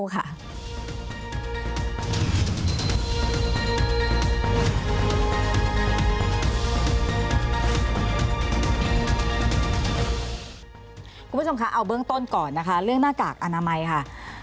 คุณผู้ชมคะเอาเบื้องต้นก่อนนะคะเรื่องหน้ากากอนามัยค่ะ